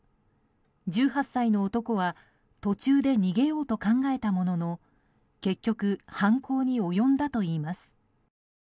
１８歳の男は途中で逃げようと考えたものの結局、犯行に及んだといいます。